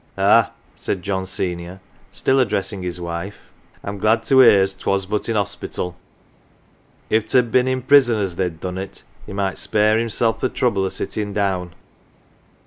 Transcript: " Ah !" said John senior, still addressing his wife. " I'm glad to hear as 'twas but in hospital. If 't 'ad ha' been in prison as they'd done it he might spare hinisel' th' trouble o' sitting down."